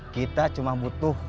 kita cuma butuh